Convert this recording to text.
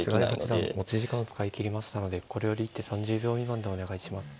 菅井八段持ち時間を使い切りましたのでこれより一手３０秒未満でお願いします。